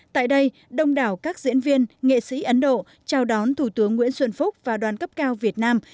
tại đây đông đảo các diễn viên nghệ sĩ ấn độ chào đón thủ tướng nguyễn xuân phúc và đoàn cấp cao việt nam